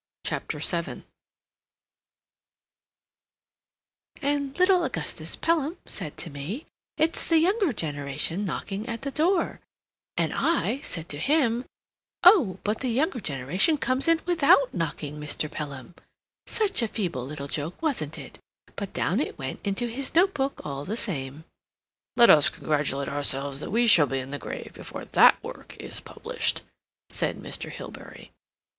CHAPTER VII "And little Augustus Pelham said to me, 'It's the younger generation knocking at the door,' and I said to him, 'Oh, but the younger generation comes in without knocking, Mr. Pelham.' Such a feeble little joke, wasn't it, but down it went into his notebook all the same." "Let us congratulate ourselves that we shall be in the grave before that work is published," said Mr. Hilbery.